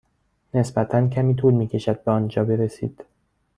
نسبتا کمی طول می کشد به آنجا برسید.